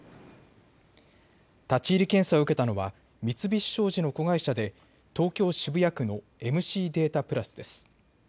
立ち入り検査を受けたのは三菱商事の子会社で東京渋谷区のＭＣデータプラスです。